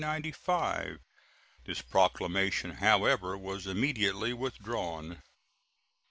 This proclamation, however, was immediately withdrawn.